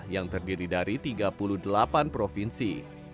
yang terdiri dari tiga puluh delapan provinsi